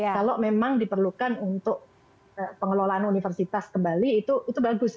kalau memang diperlukan untuk pengelolaan universitas kembali itu bagus